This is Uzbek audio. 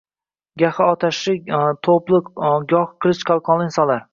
Gahi otashli, toʻpli goh qilich qalqonli insonlar